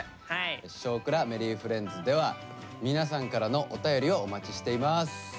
「少クラＭｅｒｒｙｆｒｉｅｎｄｓ」では皆さんからのお便りをお待ちしています。